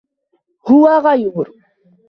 هو غيور.